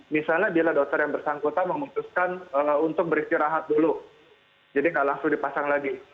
misalnya bila dokter yang bersangkutan memutuskan untuk beristirahat dulu jadi nggak langsung dipasang lagi